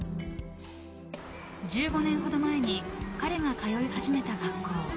１５年ほど前に彼が通い始めた学校。